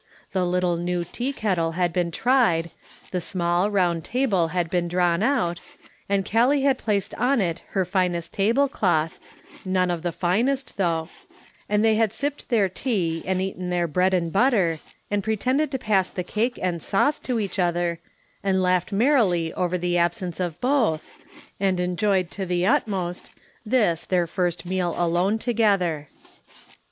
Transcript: The little new tea kettle had been tried, the small, round table had been drawn out, and Gallic had placed on it her finest table cloth — none of the finest, though — and they had sipped their tea and eaten their bread and butter, and pretended to pass the cake and sauce to each other, and laughed merrily over the absence of both, and enjoyed to the utmost, this, their first meal alone together.